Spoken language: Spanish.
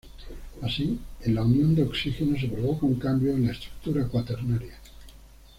Así en la unión de oxígeno se provoca un cambio en la estructura cuaternaria.